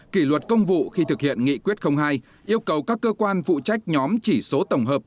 kỷ luật công vụ khi thực hiện nghị quyết hai yêu cầu các cơ quan phụ trách nhóm chỉ số tổng hợp